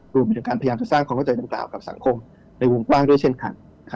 รวมถึงการพยายามจะสร้างความเข้าใจดังกล่าวกับสังคมในวงกว้างด้วยเช่นกัน